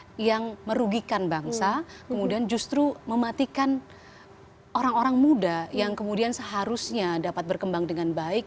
yang merugikan bangsa kemudian justru mematikan orang orang muda yang kemudian seharusnya dapat berkembang dengan baik